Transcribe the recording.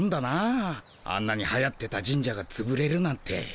あんなにはやってた神社がつぶれるなんて。